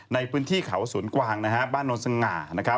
ในพื้นที่เขาสวนกวางบ้านโนนสง่า